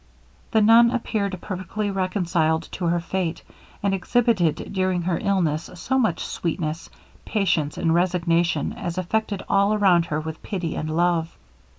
The nun appeared perfectly reconciled to her fate, and exhibited during her illness so much sweetness, patience, and resignation as affected all around her with pity and love.